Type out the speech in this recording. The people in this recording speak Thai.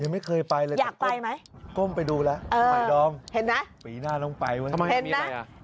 ยังไม่เคยไปเลยแต่ก้มไปดูแล้วใหม่ดองปีหน้าต้องไปว่ะทำไมมีอะไร